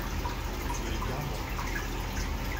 Monsieur est bien bon !